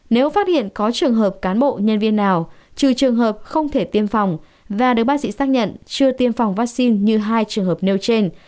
nếu phát hiện có trường hợp cán bộ nhân viên nào trừ trường hợp không thể tiêm phòng và được bác sĩ xác nhận chưa tiêm phòng vaccine như hai trường hợp nêu trên